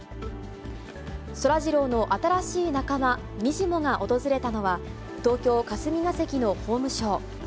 そらジローの新しい仲間、にじモが訪れたのは東京・霞が関の法務省。